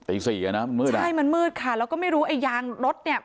ตีสี่อ่ะนะมันมืดอ่ะใช่มันมืดค่ะแล้วก็ไม่รู้ไอ้ยางรถเนี่ย